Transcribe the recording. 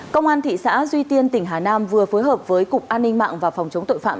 công an thị xã duy tiên tỉnh hà nam vừa phối hợp với cục an ninh mạng và phòng chống tội phạm